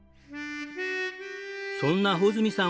そんな穂積さん